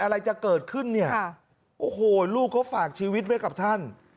อะไรจะเกิดขึ้นเนี่ยโอ้โหลูกเขาฝากชีวิตไว้กับท่าน